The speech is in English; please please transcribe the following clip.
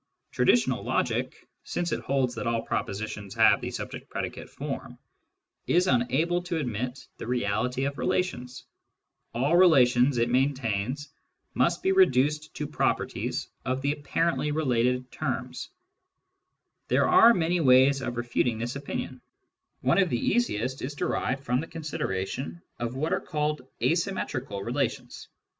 Traditional logic, since it holds that all propoi have the subject predicate form, is unable to adm reality of relations : all relations, it maintains, mi reduced to properties of the apparently related There are many ways of refuting this opinion ; the easiest is derived from the consideration of wl called "asymmetrical" relations.